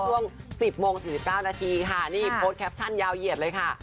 ช่วง๑๐โมง๔๙นาทีค่ะนี่โพสต์แคปชั่นยาวเหยียดเลยค่ะ